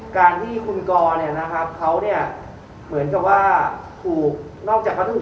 การที่คุณกรเนี่ยนะครับเขาเนี่ยเหมือนกับว่าถูกนอกจากเขาถูก